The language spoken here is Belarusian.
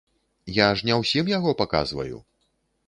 Я ж не ўсім яго паказваю.